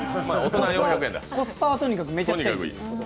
コスパはとにかくめちゃくちゃいい。